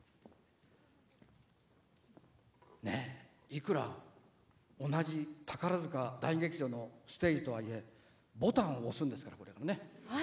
いくら同じ宝塚大劇場のステージとはいえボタンを押すんですからね。